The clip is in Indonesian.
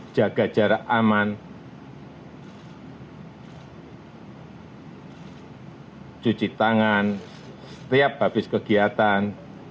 jaga jarak aman cuci tangan setiap habis kegiatan